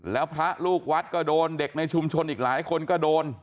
แล้วพระลูกวัดก็โดนเด็กในชุมชนอีกหลายคนก็โดน